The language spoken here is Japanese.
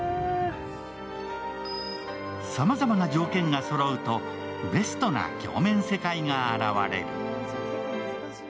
さまざまな条件がそろうとベストな鏡面世界が現れる。